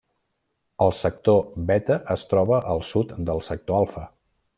El sector beta es troba al sud del sector alfa.